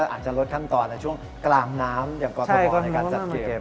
อาจจะลดขั้นตอนในช่วงกลางน้ำอย่างกรทในการจัดเกม